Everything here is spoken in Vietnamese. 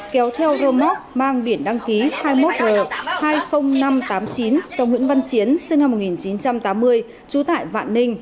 kéo theo rô móc mang biển đăng ký hai mươi một l hai mươi nghìn năm trăm tám mươi chín trong huyện văn chiến sinh năm một nghìn chín trăm tám mươi trú tại vạn ninh